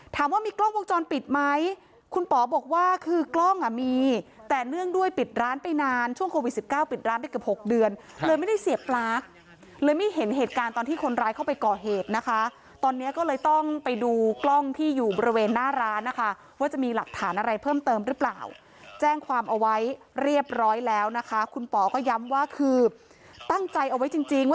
ถามว่ามีกล้องวงจรปิดไหมคุณป๋อบอกว่าคือกล้องอ่ะมีแต่เนื่องด้วยปิดร้านไปนานช่วงโควิดสิบเก้าปิดร้านไปเกือบ๖เดือนเลยไม่ได้เสียบปลั๊กเลยไม่เห็นเหตุการณ์ตอนที่คนร้ายเข้าไปก่อเหตุนะคะตอนนี้ก็เลยต้องไปดูกล้องที่อยู่บริเวณหน้าร้านนะคะว่าจะมีหลักฐานอะไรเพิ่มเติมหรือเปล่าแจ้งความเอาไว้เรียบร้อยแล้วนะคะคุณป๋อก็ย้ำว่าคือตั้งใจเอาไว้จริงจริง